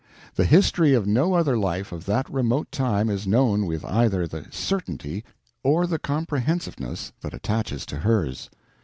The history of no other life of that remote time is known with either the certainty or the comprehensiveness that attaches to hers.